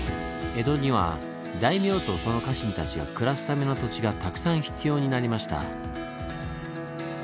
江戸には大名とその家臣たちが暮らすための土地がたくさん必要になりました。